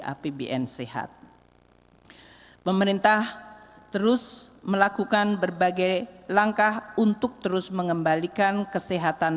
apbn sehat pemerintah terus melakukan berbagai langkah untuk terus mengembalikan kesehatan